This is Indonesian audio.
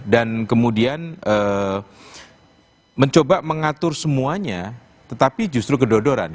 dan kemudian mencoba mengatur semuanya tetapi justru kedodoran